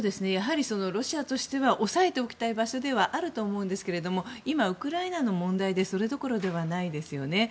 ロシアとしては押さえておきたい場所ではあると思うんですけれども今、ウクライナの問題でそれどころではないですよね。